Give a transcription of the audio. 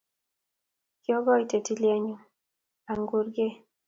kiokoite tileenyu ang kurkee